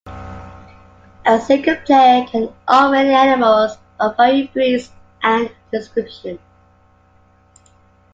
A single player can own many animals of varying breeds and descriptions.